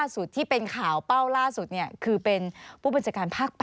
สนุนโดยน้ำดื่มสิง